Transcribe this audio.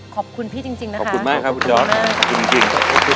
ขอบคุณพี่จริงนะคะขอบคุณมากค่ะคุณดอสขอบคุณมากขอบคุณจริง